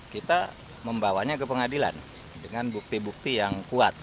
kita membawanya ke pengadilan dengan bukti bukti yang kuat